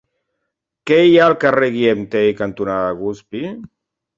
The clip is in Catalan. Què hi ha al carrer Guillem Tell cantonada Guspí?